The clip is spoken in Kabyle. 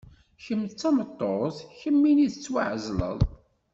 kemm d tameṭṭut, kemmini tettwaɛezleḍ.